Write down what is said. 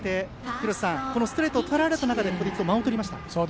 廣瀬さん、ストレートをとらえられた中で１つ間をとりました。